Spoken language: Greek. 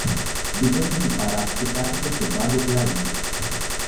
Μπήκαν στο κηπαράκι και κάθισαν στον μπάγκο πλάγι του.